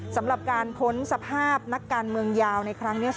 สำหรับการพ้นสภาพนักการเมืองยาวในครั้งนี้